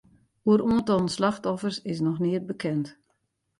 Oer oantallen slachtoffers is noch neat bekend.